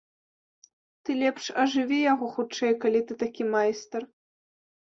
Ты лепш ажыві яго хутчэй, калі ты такі майстар!